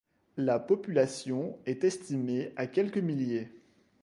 La population est estimée à quelques milliers.